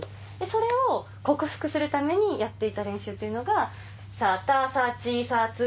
それを克服するためにやっていた練習っていうのがさたさちさつ